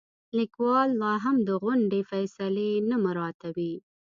لیکوال لاهم د غونډې فیصلې نه مراعاتوي.